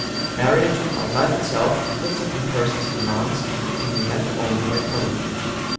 Marriage, like life itself, puts upon persons demands that can be met only by courage.